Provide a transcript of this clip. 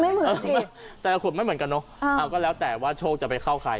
ไม่เหมือนกันแต่ขวดไม่เหมือนกันเนอะอ่าก็แล้วแต่ว่าโชคจะไปเข้าใคร